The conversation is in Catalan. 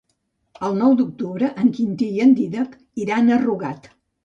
El nou d'octubre en Quintí i en Dídac iran a Rugat.